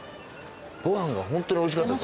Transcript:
ご飯がホントにおいしかった。